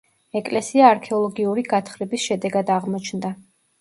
ეკლესია არქეოლოგიური გათხრების შედეგად აღმოჩნდა.